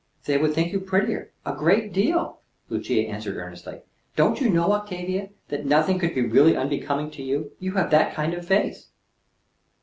"They would think you prettier, a great deal," Lucia answered earnestly. "Don't you know, Octavia, that nothing could be really unbecoming to you? You have that kind of face."